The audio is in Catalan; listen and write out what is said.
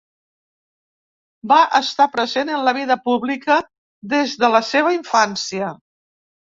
Va estar present en la vida pública des de la seva infància.